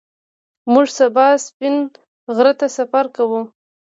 موږ سبا سپین غره ته سفر کوو